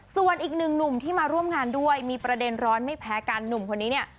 ส่วนอีกหนึ่งหนุ่มที่มาร่วมงานด้วยมีประเด็นร้อนไม่แพ้กันหนุ่มคนนี้เนี่ย